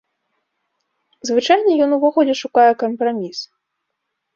Звычайна ён увогуле шукае кампраміс.